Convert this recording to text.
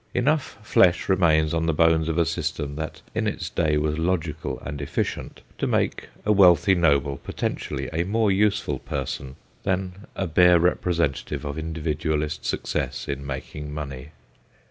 Enough flesh remains on the bones of a system that hi its day was logical and efficient to make a wealthy noble potentially a more useful person than a bare representative of indivi dualist success in making money.